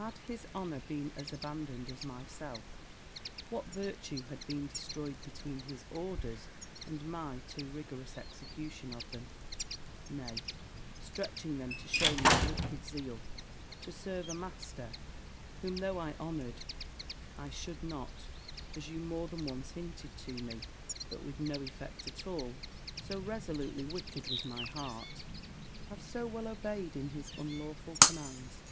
"Had his honour been as abandoned as myself, what virtue had been destroyed between his orders and my too rigorous execution of them; nay, stretching them to shew my wicked zeal, to serve a master, whom, though I honoured, I should not (as you more than once hinted to me, but with no effect at all, so resolutely wicked was my heart) have so well obeyed in his unlawful commands!